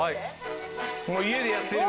もう家でやってる。